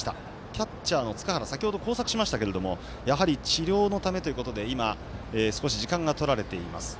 キャッチャーの塚原先ほど交錯しましたけどやはり治療のためということで今、少し時間がとられています。